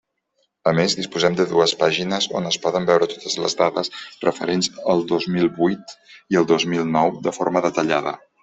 A més, disposem de dues pàgines on es poden veure totes les dades referents al dos mil vuit i al dos mil nou de forma detallada.